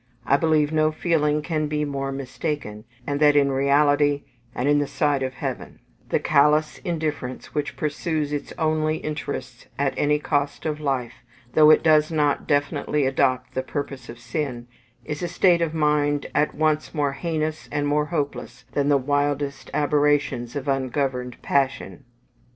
I believe no feeling can be more mistaken, and that in reality, and in the sight of heaven; the callous indifference which pursues its own interests at any cost of life, though it does not definitely adopt the purpose of sin, is a state of mind at once more heinous and more hopeless than the wildest aberrations of ungoverned passion.